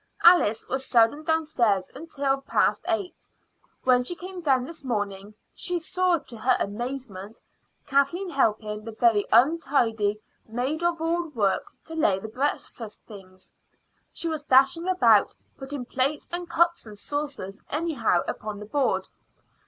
Alice was seldom downstairs until past eight. When she came down this morning she saw, to her amazement, Kathleen helping the very untidy maid of all work to lay the breakfast things. She was dashing about, putting plates and cups and saucers anyhow upon the board.